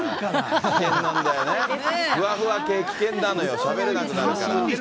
危険なんだよね、ふわふわ系、危険なのよ、しゃべれなくなるから。